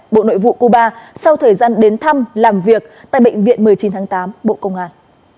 bộ nội vụ cuba sau thời gian đến thăm làm việc tại bệnh viện một mươi chín tháng tám bộ công an